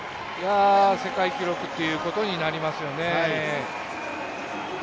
世界記録ということになりますよね。